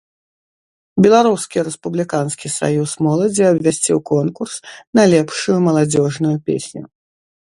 Беларускі рэспубліканскі саюз моладзі абвясціў конкурс на лепшую маладзёжную песню.